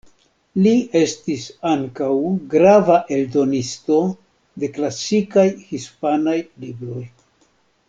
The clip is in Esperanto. Li estis ankaŭ grava eldonisto de klasikaj hispanaj libroj.